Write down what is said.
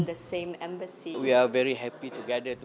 chúng tôi rất vui mừng